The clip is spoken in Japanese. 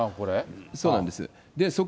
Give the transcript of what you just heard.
そうなんです。